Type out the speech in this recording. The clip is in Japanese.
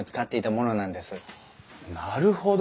なるほど。